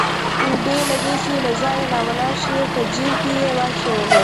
بې له دې چې له ځایه راولاړ شي په جېب کې يې واچولې.